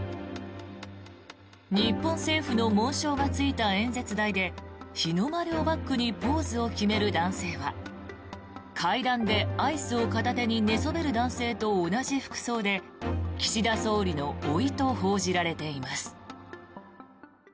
日本政府の紋章がついた演説台で日の丸をバックにポーズを決める男性は階段でアイスを片手に寝そべる男性と同じ服装で岸田総理のおいと報じられています。